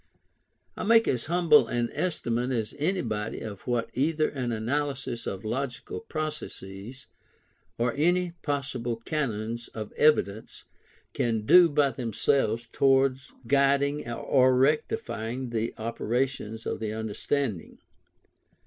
I make as humble an estimate as anybody of what either an analysis of logical processes, or any possible canons of evidence, can do by themselves towards guiding or rectifying the operations of the understanding.